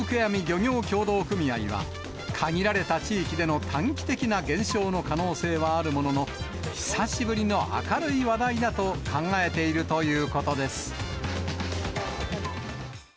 漁業協同組合は、限られた地域での短期的な現象の可能性はあるものの、久しぶりの明るい話題だと考えているということです。